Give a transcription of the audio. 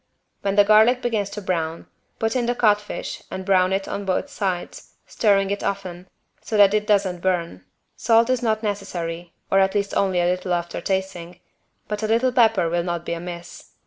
When the garlic begins to brown put in the codfish and brown it on both sides, stirring it often, so that it doesn't burn. Salt is not necessary, or at least only a little after tasting, but a little pepper will not be amiss.